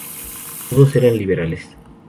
Todos eran liberales.